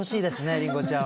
りんごちゃん。